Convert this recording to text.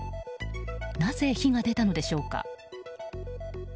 なぜ火が出たのでしょうか。